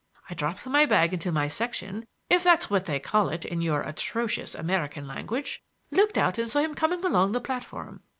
I dropped my bag into my section—if that's what they call it in your atrocious American language—looked out and saw him coming along the platform.